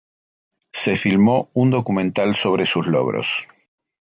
Se filmó un documental sobre sus logros.